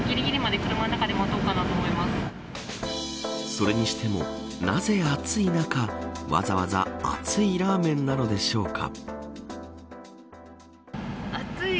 それにしてもなぜ暑い中、わざわざ熱いラーメンなのでしょうか。